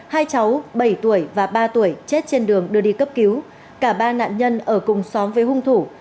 hai cháu bảy tuổi và ba tuổi chết trên đường đưa đi cấp cứu cả ba nạn nhân ở cùng xóm với hung thủ